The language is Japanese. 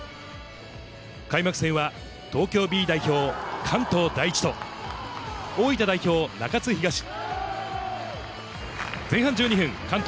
開幕戦は、東京Ｂ代表、関東第一と、大分代表、中津東。